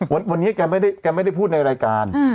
วันนี้แกไม่ได้พูดในรายการ